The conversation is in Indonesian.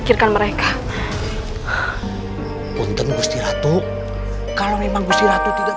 memikirkan mereka untuk musti ratu kalau memang musti ratu tidak